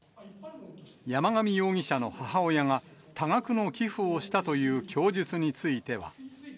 山上容疑者の母親が多額の寄付をしたという供述については。